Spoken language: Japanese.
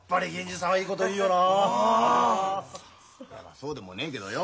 そうでもねえけどよ。